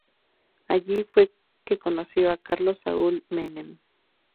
Allí fue que conoció a Carlos Saúl Menem.